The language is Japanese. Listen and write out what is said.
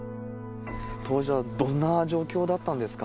当時はどんな状況だったんですか？